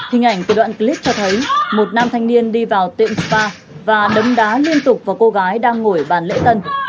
hình ảnh từ đoạn clip cho thấy một nam thanh niên đi vào tiệmpa và đấm đá liên tục vào cô gái đang ngồi bàn lễ tân